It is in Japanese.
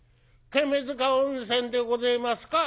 ケメヅカ温泉でごぜえますか？